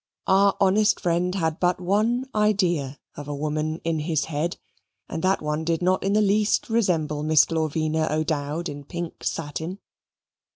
Our honest friend had but one idea of a woman in his head, and that one did not in the least resemble Miss Glorvina O'Dowd in pink satin.